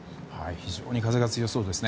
非常に風が強そうですね。